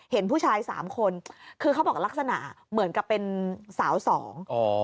เห็นผู้ชายสามคนคือเขาบอกลักษณะเหมือนกับเป็นสาวสองอ๋อ